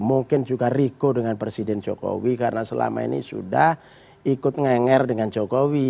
mungkin juga riko dengan presiden jokowi karena selama ini sudah ikut ngenger dengan jokowi